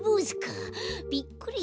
びっくりしたよ。